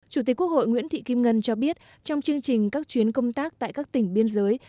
chủ tịch quốc hội nguyễn thị kim ngân cho biết trong chương trình các chuyến công tác tại các tỉnh biên giới